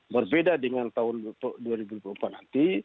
berbeda dengan tahun dua ribu dua puluh empat nanti